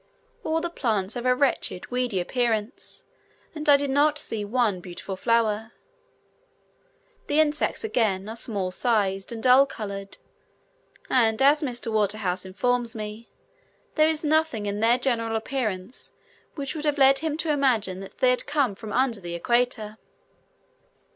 All the plants have a wretched, weedy appearance, and I did not see one beautiful flower. The insects, again, are small sized and dull coloured, and, as Mr. Waterhouse informs me, there is nothing in their general appearance which would have led him to imagine that they had come from under the equator.